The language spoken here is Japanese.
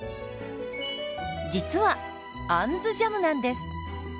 実は「あんずジャム」なんです。